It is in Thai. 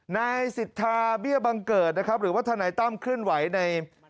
นายสิทธาเบี้ยบังเกิดนะครับหรือว่าทนายตั้มเคลื่อนไหวใน